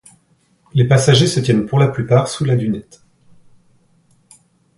Les passagers se tiennent pour la plupart sous la dunette.